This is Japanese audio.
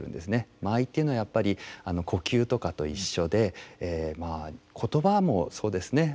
間合いというのはやっぱり呼吸とかと一緒でまあ言葉もそうですね。